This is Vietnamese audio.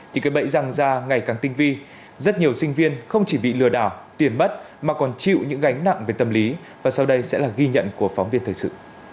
thì cái bẫy răng ra ngày càng tinh vi rất nhiều sinh viên không chỉ bị lừa đảo tiền mất mà còn chịu những gánh nặng về tâm lý và sau đây sẽ là ghi nhận của phóng viên thời sự